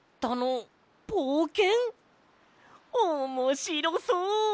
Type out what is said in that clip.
おもしろそう！